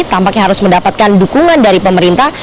tampaknya harus mendapatkan dukungan dari pemerintah